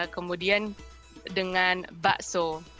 kemudian dengan bakso